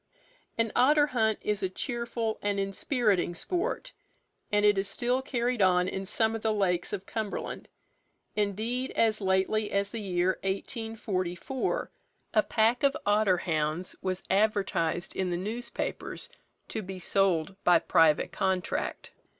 An otter hunt is a cheerful and inspiriting sport, and it is still carried on in some of the lakes of Cumberland. Indeed, as lately as the year 1844, a pack of otter hounds was advertised in the newspapers to be sold by private contract.